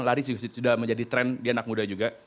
lari sudah menjadi tren di anak muda juga